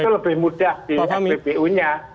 itu lebih mudah di spbu nya